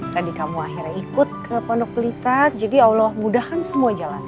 tadi kamu akhirnya ikut ke pondok belitar jadi allah mudahkan semua jalan